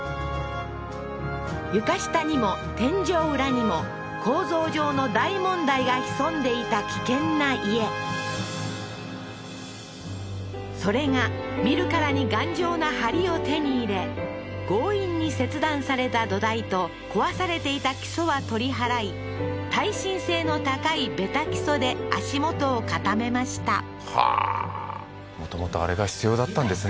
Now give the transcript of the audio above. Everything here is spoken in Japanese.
床下にも天井裏にも構造上の大問題が潜んでいた危険な家それが見るからに頑丈な梁を手に入れ強引に切断された土台と壊されていた基礎は取り払い耐震性の高いベタ基礎で足元を固めましたはあーもともとあれが必要だったんですね